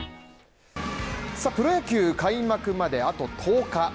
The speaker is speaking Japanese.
プロ野球開幕まで、あと１０日。